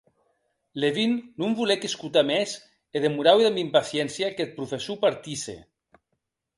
Levin non volec escotar mès e demoraue damb impaciéncia qu'eth professor partisse.